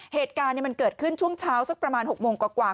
เหตุการณ์มันเกิดขึ้นช่วงเช้าสักประมาณ๖โมงกว่า